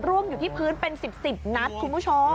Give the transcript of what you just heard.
ร่วมอยู่ที่พื้นเป็น๑๐นัดคุณผู้ชม